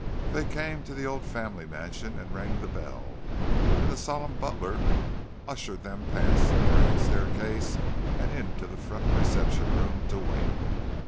They came to the old family mansion and rang the bell, and the solemn butler ushered them past the grand staircase and into the front reception room to wait.